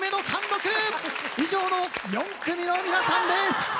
以上の４組の皆さんです！